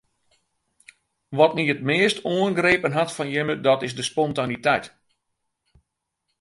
Wat my it meast oangrepen hat fan jimme dat is de spontaniteit.